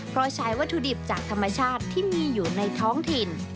เพราะใช้วัตถุดิบจากธรรมชาติที่มีอยู่ในท้องถิ่น